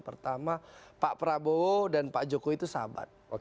pak prabowo dan pak joko itu sahabat